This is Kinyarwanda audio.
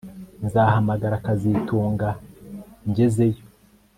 Nzahamagara kazitunga ngezeyo